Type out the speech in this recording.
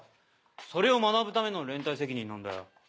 それを学ぶための連帯責任なんだよ。